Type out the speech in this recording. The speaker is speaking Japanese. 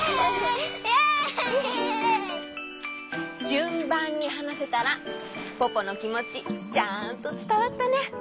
じゅんばんにはなせたらポポのきもちちゃんとつたわったね！